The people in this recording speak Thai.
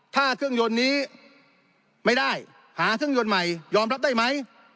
ถ้าเครื่องยนต์นี้ไม่ได้หาเครื่องยนต์ใหม่ยอมรับได้ไหม